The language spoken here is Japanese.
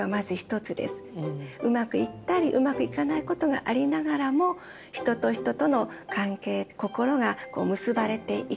うまくいったりうまくいかないことがありながらも人と人との関係心が結ばれていく。